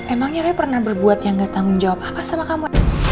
emangnya rey pernah berbuat yang gak tanggung jawab apa sama kamu